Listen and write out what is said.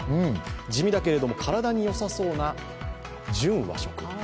地味だけれども、体によさそうな純和食。